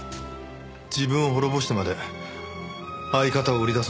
自分を滅ぼしてまで相方を売り出そうなんて。